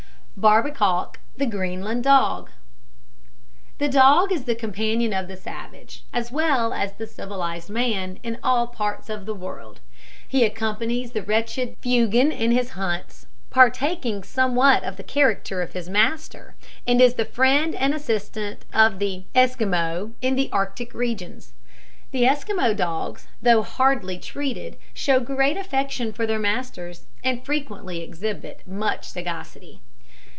BARBEKARK, THE GREENLAND DOG. The dog is the companion of the savage, as well as the civilised man, in all parts of the world. He accompanies the wretched Fuegan in his hunts, partaking somewhat of the character of his master; and is the friend and assistant of the Esquimaux in the Arctic regions. The Esquimaux dogs, though hardly treated, show great affection for their masters, and frequently exhibit much sagacity.